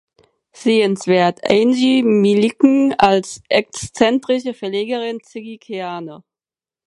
Sehenswert: Angie Milliken als exzentrische Verlegerin Ziggy Keane.